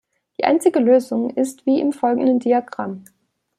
Die einzige Lösung ist wie im folgenden Diagramm.